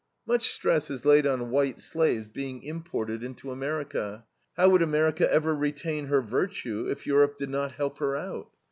Much stress is laid on white slaves being imported into America. How would America ever retain her virtue if Europe did not help her out?